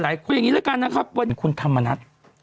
เอาอย่างนี้ละกันนะครับว่าคุณธรรมนัฐ